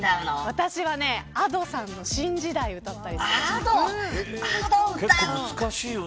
私はＡｄｏさんの新時代を歌ったりするね。